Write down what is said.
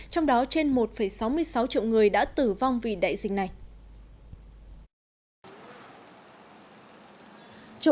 trong đó trên một sáu mươi sáu triệu người đã tử vong vì đại dịch này